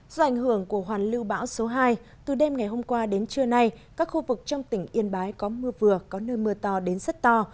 do ảnh hưởng của hoàn lưu bão số hai từ đêm ngày hôm qua đến trưa nay các khu vực trong tỉnh yên bái có mưa vừa có nơi mưa to đến rất to